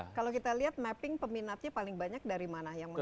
kalau kita lihat mapping peminatnya paling banyak dari mana yang menarik